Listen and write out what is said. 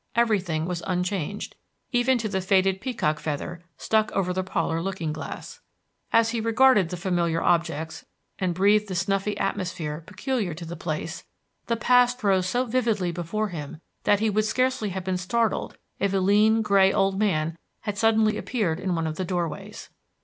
Everything was unchanged, even to the faded peacock feather stuck over the parlor looking glass. As he regarded the familiar objects and breathed the snuffy atmosphere peculiar to the place, the past rose so vividly before him that he would scarcely have been startled if a lean, gray old man had suddenly appeared in one of the doorways.